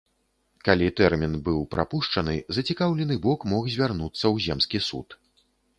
Калі тэрмін быў прапушчаны, зацікаўлены бок мог звярнуцца ў земскі суд.